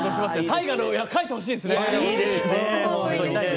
大河の題字、書いてほしいですね。